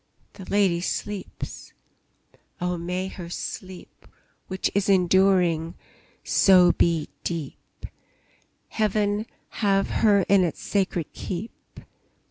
The lady sleeps! Oh, may her sleep Which is enduring, so be deep! Heaven have her in its sacred keep!